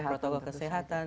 ya protokol kesehatan